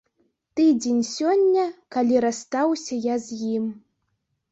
Тыдзень сёння, калі расстаўся я з ім.